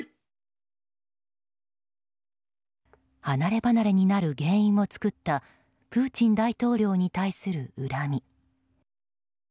離れ離れになる原因を作ったプーチン大統領に対する恨み。